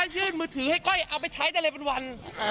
ยื่นมือถือให้ก้อยเอาไปใช้ได้เลยเป็นวัน